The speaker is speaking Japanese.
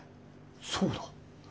そうだ。